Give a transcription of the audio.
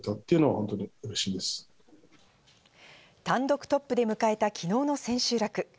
単独トップで迎えた昨日の千秋楽。